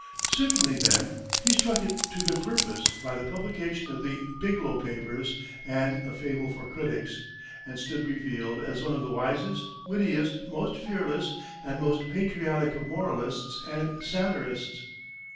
Certainly, then, he struck it to good purpose by the publication of the "Biglow Papers" and "A Fable for Critics," and stood revealed as one of the wisest, wittiest, most fearless and most patriotic of moralists and satirists.